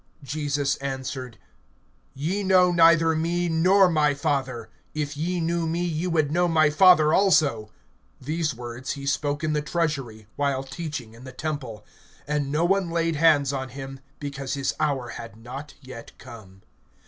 Jesus answered: Ye know neither me, nor my Father. If ye knew me, ye would know my Father also. (20)These words he spoke in the treasury, while teaching in the temple; and no one laid hands on him, because his hour had not yet come.